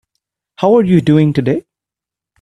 How are you doing today?